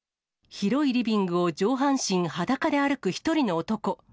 広いリビングを上半身裸で歩く１人の男。